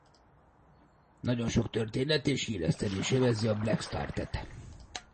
Nagyon sok történet és híresztelés övezi a Black Strat-et.